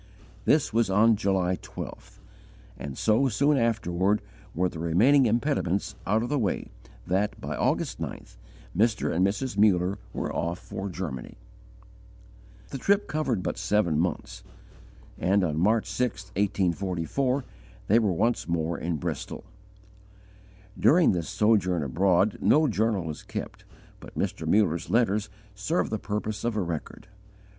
This was on July 12th; and so soon afterward were the remaining impediments out of the way that, by August 9th, Mr. and Mrs. Muller were off for Germany. The trip covered but seven months: and on March 6, 1844, they were once more in Bristol. During this sojourn abroad no journal was kept, but Mr. Muller's letters serve the purpose of a record.